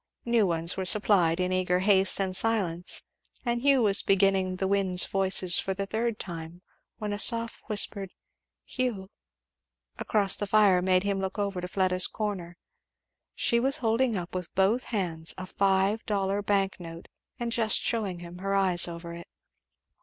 New ones were supplied in eager haste and silence, and Hugh was beginning "The wind's voices" for the third time when a soft whispered "Hugh!" across the fire made him look over to Fleda's corner. She was holding up with both hands a five dollar bank note and just shewing him her eyes over it.